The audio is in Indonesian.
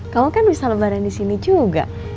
kamu kan bisa lebaran disini juga